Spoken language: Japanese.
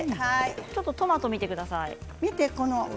ちょっとトマトを見てください。